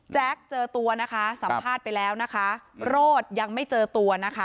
เจอตัวนะคะสัมภาษณ์ไปแล้วนะคะโรดยังไม่เจอตัวนะคะ